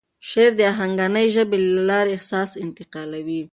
شعر د آهنګینې ژبې له لارې احساس انتقالوي.